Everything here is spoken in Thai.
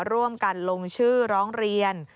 ร่วมกันลงชื่อร้องเรียน